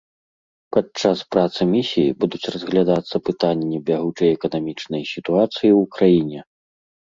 Падчас працы місіі будуць разглядацца пытанні бягучай эканамічнай сітуацыі ў краіне.